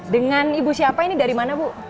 dengan ibu siapa ini dari mana bu